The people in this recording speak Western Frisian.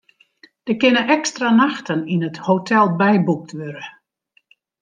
Der kinne ekstra nachten yn it hotel byboekt wurde.